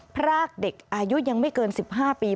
พรากเด็กอายุยังไม่เกิน๑๕ปี